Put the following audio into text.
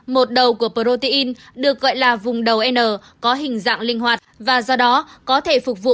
một đầu của protein được gọi là vùng đầu n có hình dạng linh hoạt và do đó có thể phục vụ